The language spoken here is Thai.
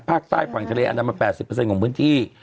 ภาคใต้ฝั่งทะเลอันดามัน๘๐ของพื้นที่